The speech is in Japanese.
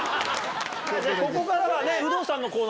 ここからは。